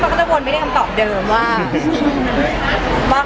เห็นมาก่อนไม่ได้ตอบเดิมว่า